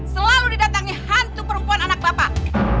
selalu didatangi hantu perempuan anak bapak